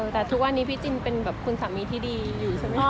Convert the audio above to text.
แต่ทุกวันนี้พี่จินเป็นแบบคุณสามีที่ดีอยู่ใช่ไหม